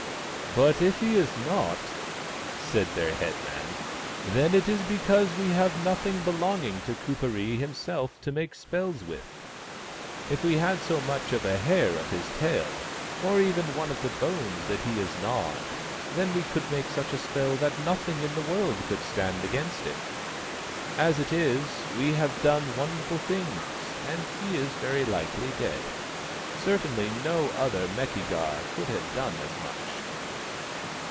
" But if he is not," said their head man, " then it is because we have nothing belonging to Kuperee himself to make spells with. If we had so much of a hair of his tail, or even one of the bones that he has gnawed, then we could make such a spell that nothing in the world could stand against it. As it is, we have done wonderful things, and he is very likely dead. Certainly no other Meki gar could have done as much."